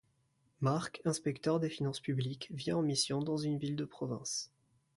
Marc, inspecteur des finances publiques, vient en mission dans une ville de province.